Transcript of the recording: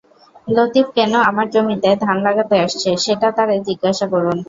লতিফ কেন আমার জমিতে ধান লাগাতে আসছে, সেটা তাঁরে জিজ্ঞাসা করুন।